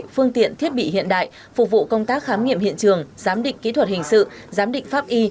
phương tiện thiết bị hiện đại phục vụ công tác khám nghiệm hiện trường giám định kỹ thuật hình sự giám định pháp y